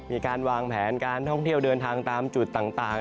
มีการวางแผนการท่องเที่ยวเดินทางตามจุดต่าง